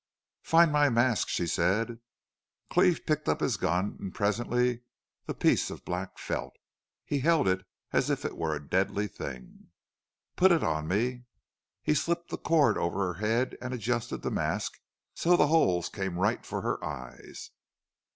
"Find my mask," she said. Cleve picked up his gun and presently the piece of black felt. He held it as if it were a deadly thing. "Put it on me." He slipped the cord over her head and adjusted the mask so the holes came right for her eyes.